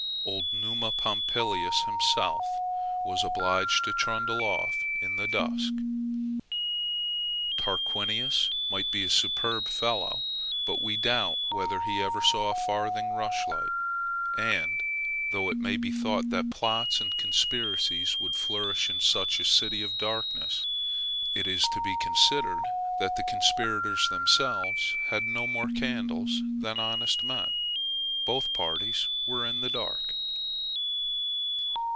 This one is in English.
Old Numa Pompilius himself, was obliged to trundle off in the dusk. Tarquinius might be a very superb fellow; but we doubt whether he ever saw a farthing rushlight. And, though it may be thought that plots and conspiracies would flourish in such a city of darkness, it is to be considered, that the conspirators themselves had no more candles than honest men: both parties were in the dark.